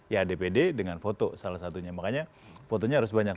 ya dpd dengan foto salah satunya makanya fotonya harus banyak